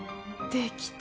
「できた」